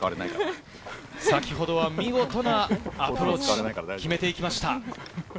先ほどは見事なアプローチ、決めていきました。